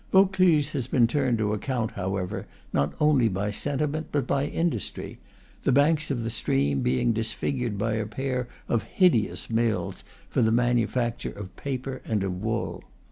Vaucluse has been turned to account, however, not only by sentiment, but by industry; the banks of the stream being disfigured by a pair of hideous mills for the manufacture of paper and of wool.